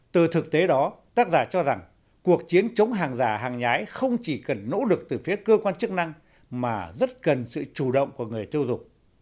từ thực tế đó tác giả cho rằng cuộc chiến chống hàng giả hàng nhái không chỉ cần nỗ lực từ phía cơ quan chức năng mà rất cần sự chủ động của người tiêu dục